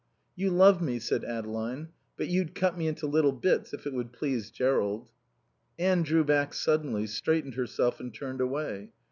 "You love me," said Adeline; "but you'd cut me into little bits if it would please Jerrold." Anne drew back suddenly, straightened herself and turned away.